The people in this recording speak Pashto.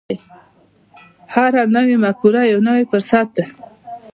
هره نوې مفکوره یو نوی فرصت دی.